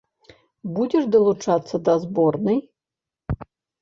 Будзеш далучацца да зборнай?